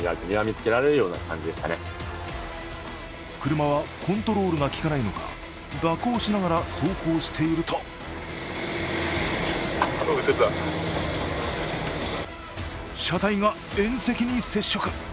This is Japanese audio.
車はコントロールが効かないのか蛇行しながら走行していると車体が縁石に接触。